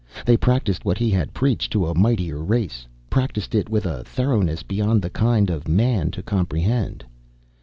They practiced what he had preached to a mightier race, practiced it with a thoroughness beyond the kind of man to comprehend.